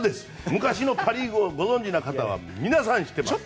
昔のパ・リーグをご存じの方は皆さん知ってます。